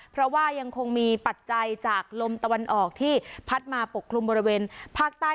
เพราะว่ายังคงมีปัจจัยจากลมตะวันออกที่พัดมาปกคลุมบริเวณภาคใต้